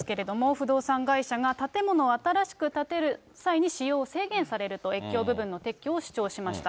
不動産会社が建物を新しく建てる際に使用を制限されると、越境部分の撤去を主張しました。